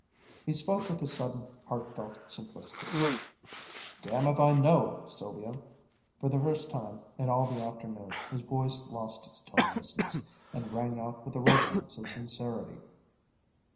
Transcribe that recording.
He spoke with a sudden heartfelt simplicity, "Damn 'f I know, Sylvia." For the first time in all the afternoon, his voice lost its tonelessness, and rang out with the resonance of sincerity.